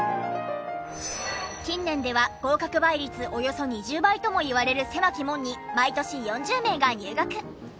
近年では合格倍率およそ２０倍ともいわれる狭き門に毎年４０名が入学。